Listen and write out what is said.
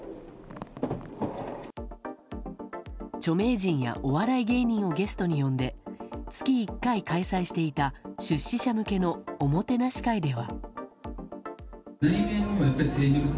著名人やお笑い芸人をゲストに呼んで月１回開催していた出資者向けのおもてなし会では。